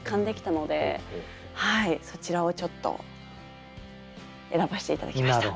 そちらをちょっと選ばせて頂きました。